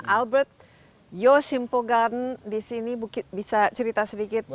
albert yo simpogan di sini bisa cerita sedikit